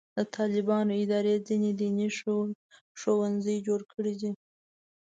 د طالبانو اداره ځینې دیني ښوونځي جوړ کړي دي.